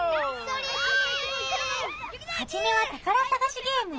これは宝探しゲーム。